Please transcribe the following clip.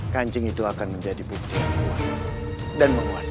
kancing itu akan menjadi bukti yang kuat dan menguat